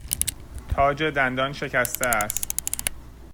تاج دندان شکسته است.